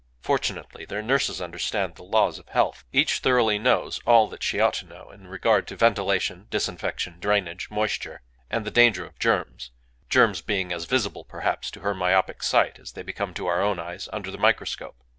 Fortunately their nurses understand the laws of health: each thoroughly knows all that she ought to know in regard to ventilation, disinfection, drainage, moisture, and the danger of germs,—germs being as visible, perhaps, to her myopic sight as they become to our own eyes under the microscope.